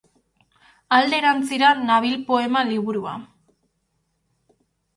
Alde erantzira nabil poema liburua.